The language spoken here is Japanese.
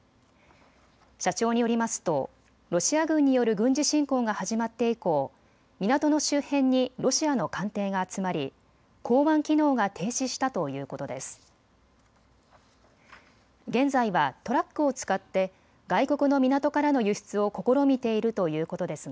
社長によりますとロシア軍による軍事侵攻が始まって以降、港の周辺にロシアの艦艇が集まり港湾機能が停止したということです。